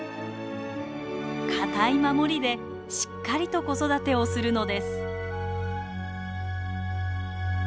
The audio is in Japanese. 堅い守りでしっかりと子育てをするのです。